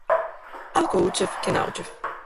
Ако учев ќе научев.